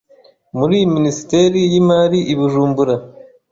muri Minisiteri y’Imari i Bujumbura.